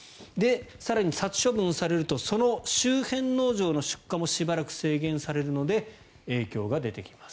更に、殺処分されるとその周辺農場の出荷もしばらく制限されるので影響が出てきます。